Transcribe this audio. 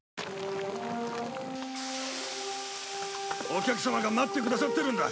お客さまが待ってくださってるんだ。